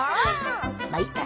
まあいっか！